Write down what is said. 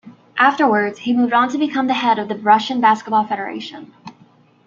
Afterwards, he moved on to become the head of the Russian Basketball Federation.